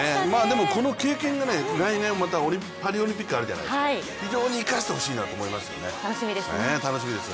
でもこの経験が来年またパリオリンピックあるじゃないですか非常に生かしてほしいなと思いますよね、楽しみです。